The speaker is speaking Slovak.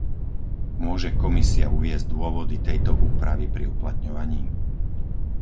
Môže Komisia uviesť dôvody tejto úpravy pri uplatňovaní?